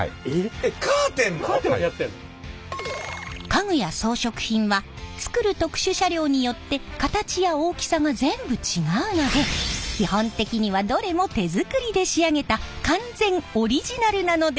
家具や装飾品は作る特殊車両によって形や大きさが全部違うので基本的にはどれも手作りで仕上げた完全オリジナルなのです！